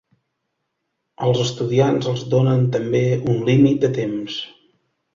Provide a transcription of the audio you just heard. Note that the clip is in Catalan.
Als estudiants els donen també un límit de temps.